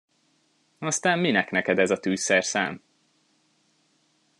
Aztán minek neked ez a tűzszerszám?